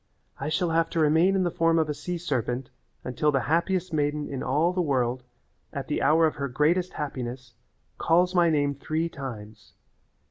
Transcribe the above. I shall have to remain in the form of a sea serpent until the happiest maiden in all the world, at the hour of her greatest happiness, calls my name three times.